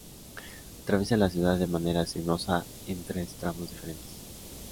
Atraviesa la ciudad de manera sinuosa en tres tramos diferentes.